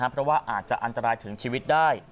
เพราะว่าอาจจะอันตรายถึงชีวิตได้